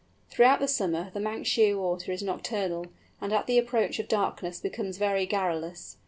Throughout the summer the Manx Shearwater is nocturnal, and at the approach of darkness becomes very garrulous.